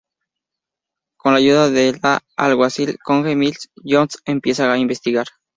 Con la ayuda de la alguacil Connie Mills, John comienza a investigar.